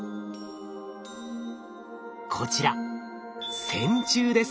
こちら線虫です。